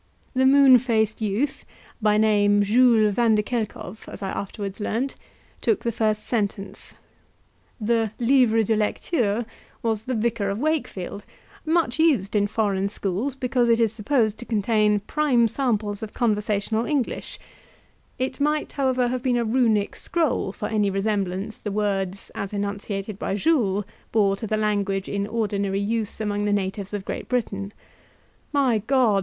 The moon faced youth (by name Jules Vanderkelkov, as I afterwards learnt) took the first sentence. The "livre de lecture" was the "Vicar of Wakefield," much used in foreign schools because it is supposed to contain prime samples of conversational English; it might, however, have been a Runic scroll for any resemblance the words, as enunciated by Jules, bore to the language in ordinary use amongst the natives of Great Britain. My God!